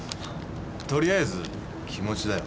とりあえず気持ちだよ。